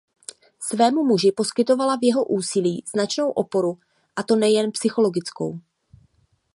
Svému muži poskytovala v jeho úsilí značnou oporu a to nejen psychologickou.